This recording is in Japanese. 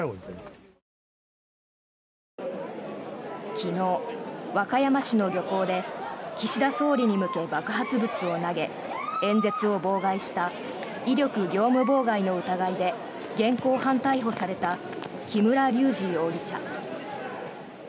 昨日、和歌山市の漁港で岸田総理に向け、爆発物を投げ演説を妨害した威力業務妨害の疑いで現行犯逮捕された木村隆二容疑者。